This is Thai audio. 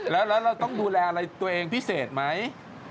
แล้วเราต้องดูแลอะไรตัวเองพิเศษไหม